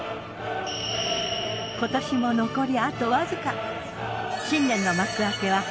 今年も残りあとわずか。